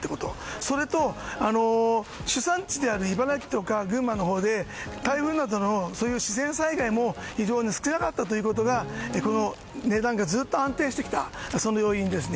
それと、主産地である茨城や群馬などでは台風などの自然災害も非常に少なかったということがこの値段がずっと安定してきた要因です。